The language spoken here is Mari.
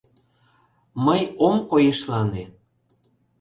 Мый ом койышлане.